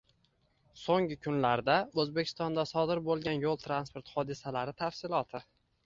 So‘nggi kunlarda O‘zbekistonda sodir bo‘lgan yo´l transport hodisasilar tafsiloti